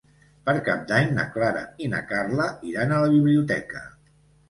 Per Cap d'Any na Clara i na Carla iran a la biblioteca.